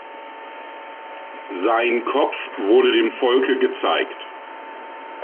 Sein Kopf wurde dem Volke gezeigt.